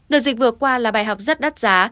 đợt dịch vừa qua là bài học rất đắt giá